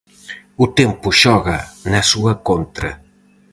O tempo xoga na súa contra.